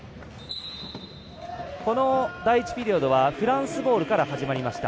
この第１ピリオドはフランスボールから始まりました。